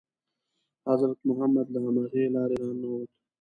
حضرت محمد له همغې لارې را ننووت.